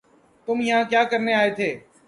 تم یہاں کیا کرنے آئے تھے